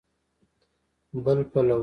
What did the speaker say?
بل پلو